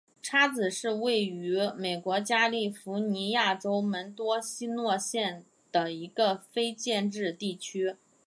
叉子是位于美国加利福尼亚州门多西诺县的一个非建制地区。